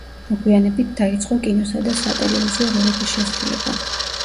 მოგვიანებით დაიწყო კინოსა და სატელევიზიო როლების შესრულება.